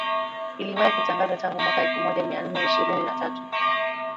iliwahi kutangaza tangu mwaka elfumoja mianane ishirini na tatu